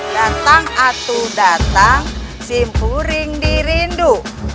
datang atu datang simpuring dirindu